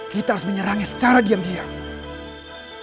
kita harus menyerangnya secara diam diam